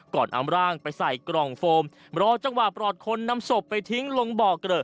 นำร่างไปใส่กล่องโฟมรอจังหวะปลอดคนนำศพไปทิ้งลงบ่อเกลอะ